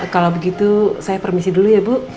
kalau begitu saya permisi dulu ya bu